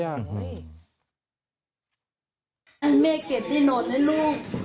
แม่เก็บที่นอนให้ลูก